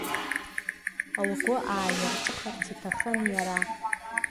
Лгәы ааирҿыхарц иҭахын иара.